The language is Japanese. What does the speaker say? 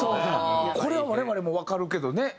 これは我々もわかるけどね。